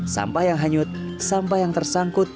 sampah yang hanyut sampah yang tersangkut